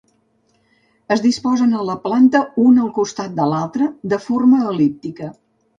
Es disposen a la planta un al costat de l'altre, de forma el·líptica.